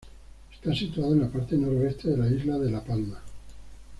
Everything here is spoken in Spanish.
Está situado en la parte Noroeste de la isla de La Palma.